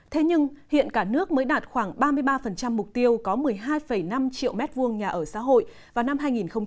thế nhưng hiện cả nước mới đạt khoảng ba mươi ba mục tiêu có một mươi hai năm triệu m hai nhà ở xã hội vào năm hai nghìn hai mươi